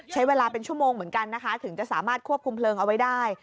ใช้เวลาเป็นชั่วโมงเหมือนกันนะคะถึงจะสามารถควบคุมเพลิงเอาไว้ได้